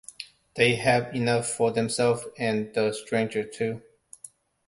They have enough for themselves and the stranger too.